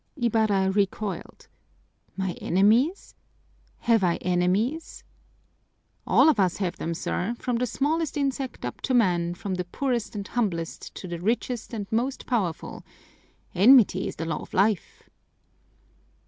Ibarra recoiled. "My enemies? Have I enemies?" "All of us have them, sir, from the smallest insect up to man, from the poorest and humblest to the richest and most powerful! Enmity is the law of life!"